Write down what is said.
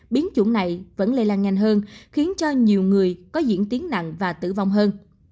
biến chủng này vẫn lây lan nhanh hơn khiến cho nhiều người có diễn tiến nặng và tử vong hơn